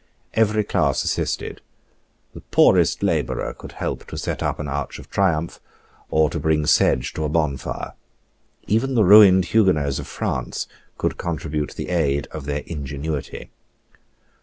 Every class assisted. The poorest labourer could help to set up an arch of triumph, or to bring sedge to a bonfire. Even the ruined Huguenots of France could contribute the aid of their ingenuity.